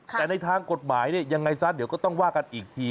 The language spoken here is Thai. แต่ในทางกฎหมายเนี่ยยังไงซะเดี๋ยวก็ต้องว่ากันอีกที